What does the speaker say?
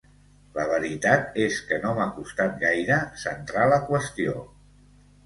La veritat és que no m'ha costat gaire centrar la qüestió.